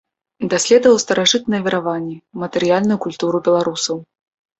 Даследаваў старажытныя вераванні, матэрыяльную культуру беларусаў.